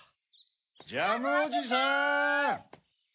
・ジャムおじさん！